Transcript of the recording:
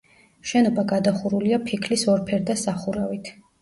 შენობა გადახურულია ფიქლის ორფერდა სახურავით.